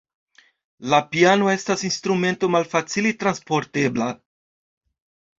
La piano estas instrumento malfacile transportebla.